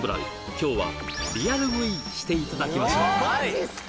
今日はリアル食いしていただきましょうマジっすか！